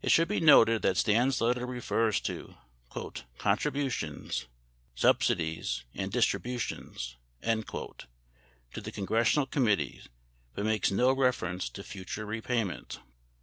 It should be noted that Stans' letter refers to "contributions," "subsidies" and "distributions" to the congressional committee but makes no reference to future repayment.